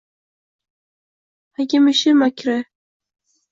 Hakimishi makru